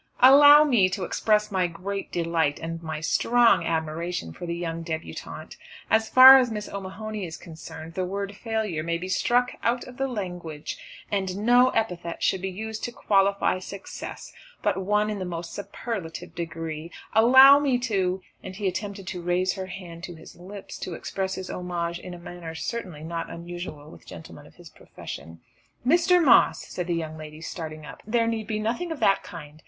"Allow me to express my great delight and my strong admiration for the young débutante. As far as Miss O'Mahony is concerned the word failure may be struck out of the language. And no epithet should be used to qualify success, but one in the most superlative degree. Allow me to " And he attempted to raise her hand to his lips, and to express his homage in a manner certainly not unusual with gentlemen of his profession. "Mr. Moss," said the young lady starting up, "there need be nothing of that kind.